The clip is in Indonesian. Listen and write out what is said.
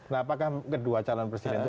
nah apakah kedua calon presiden itu